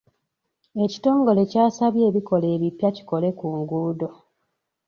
Ekitongole kyasabye ebikola epibya kikole ku nguudo.